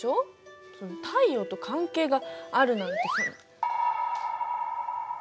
太陽と関係があるなんてそんな。